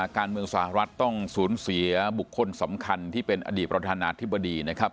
การเมืองสหรัฐต้องสูญเสียบุคคลสำคัญที่เป็นอดีตประธานาธิบดีนะครับ